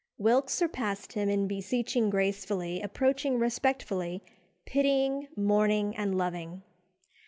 Wilkes surpassed him in beseeching gracefully, approaching respectfully, pitying, mourning, and loving.